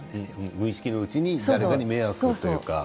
無意識のうちに誰かに迷惑とか。